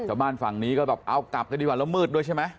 ฝั่งนี้ก็แบบเอากลับกันดีกว่าแล้วมืดด้วยใช่ไหม